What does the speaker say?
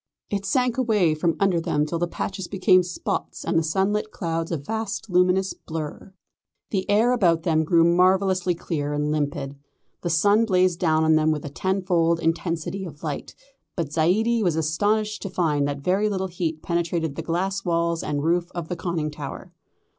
It sank away from under them till the patches became spots and the sunlit clouds a vast, luminous blur. The air about them grew marvellously clear and limpid. The sun blazed down on them with a tenfold intensity of light, but Zaidie was astonished to find that very little heat penetrated the glass walls and roof of the conning tower.